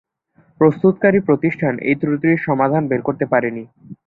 প্রস্তুতকারী প্রতিষ্ঠান এই ত্রুটির সমাধান বের করতে পারেন নি।